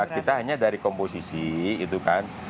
kita hanya dari komposisi itu kan